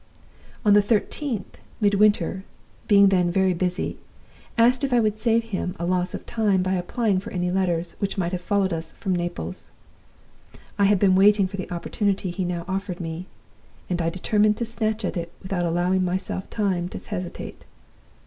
"On the thirteenth, Midwinter being then very busy asked if I would save him a loss of time by applying for any letters which might have followed us from Naples. I had been waiting for the opportunity he now offered me; and I determined to snatch at it without allowing myself time to hesitate.